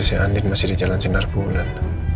masih si anin masih di jalan sinar bulan